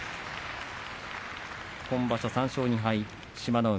今場所３勝２敗志摩ノ海。